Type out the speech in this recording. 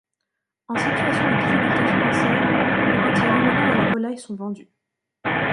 En situation de difficultés financières, les petits ruminants et la volaille sont vendus.